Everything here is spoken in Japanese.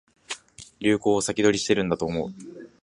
流行を先取りしてるんだと思う